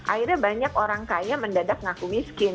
akhirnya banyak orang kaya mendadak ngaku miskin